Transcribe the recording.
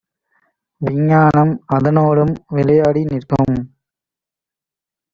விஞ்ஞானம் அதனோடும் விளையாடி நிற்கும் ;